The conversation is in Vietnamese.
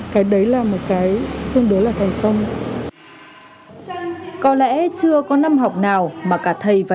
cái đấy là một cái tương đối là thành công